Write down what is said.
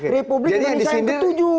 republik indonesia yang ketujuh